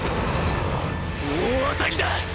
大当たりだ！！